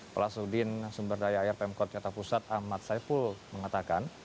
pelasudin sumber daya air pemkot jakarta pusat ahmad saiful mengatakan